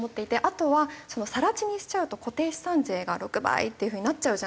あとは更地にしちゃうと固定資産税が６倍っていう風になっちゃうじゃないですか。